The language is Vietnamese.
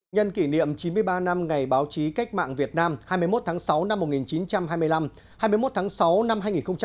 nhân kỷ niệm chín mươi ba năm ngày báo chí cách mạng việt nam hai mươi một tháng sáu năm một nghìn chín trăm hai mươi năm hai mươi một tháng sáu năm hai nghìn hai mươi